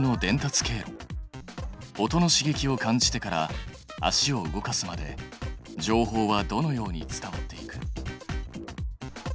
音の刺激を感じてから足を動かすまで情報はどのように伝わっていく？